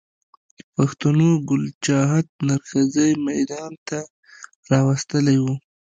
پښتنو ګل چاهت نر ښځی ميدان ته را وستلی و